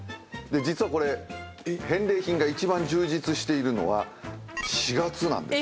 実はこれ返礼品が１番充実しているのは４月なんです。